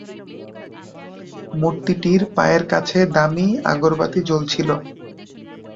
মূর্তিটির পায়ের কাছে দামী আগরবাতি জ্বলছিল।